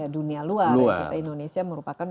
dunia luar indonesia merupakan